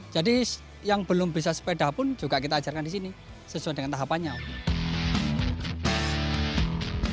jadi yang belum bisa sepeda pun juga kita ajarkan disini sesuai dengan tahapannya om